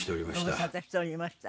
ご無沙汰しておりました。